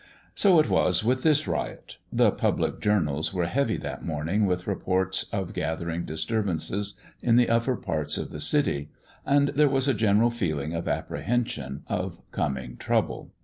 So it was with this riot. The public journals were heavy that morning with reports of gathering disturbances in the upper parts of the city, and there was a general feeling of apprehension of coming trouble.